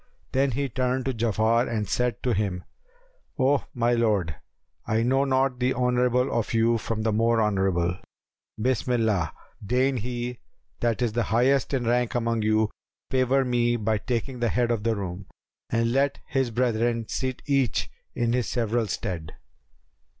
Then he turned to Ja'afar and said to him "O my lord, I know not the honourable of you from the more honourable: Bismillah! deign he that is highest in rank among you favour me by taking the head of the room, and let his brethren sit each in his several stead."